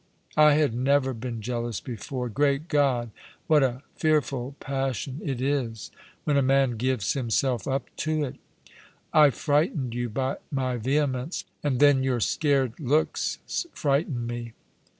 I had never been jealous before. Great God ! what a fearful passion it is when a man gives himself up to it. I frightened you by my vehemence, and then your scared looks frightened me.